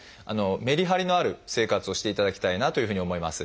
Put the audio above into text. めりはりのある生活をしていただきたいなというふうに思います。